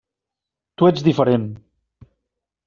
Tu ets diferent.